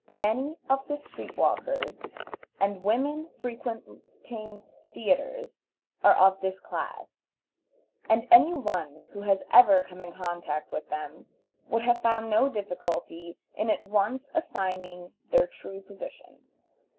Many of the street walkers and women frequenting theatres are of this class, and any one who has ever come in contact with them would have found no difficulty in at once assigning their true position.